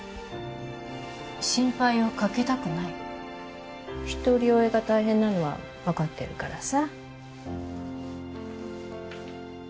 心配をかけたくない一人親が大変なのは分かってるからさ